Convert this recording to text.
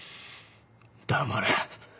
「黙れ」